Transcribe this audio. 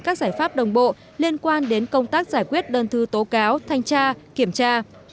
các giải pháp đồng bộ liên quan đến công tác giải quyết đơn thư tố cáo thanh tra kiểm tra